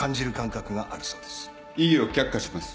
異議を却下します。